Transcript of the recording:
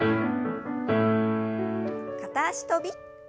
片脚跳び。